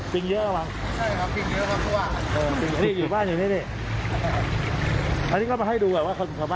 สหายเรือคว่ำเฉยครับคุณผู้ชม